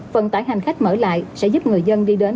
vận tải hành khách mở lại sẽ giúp người dân đi đến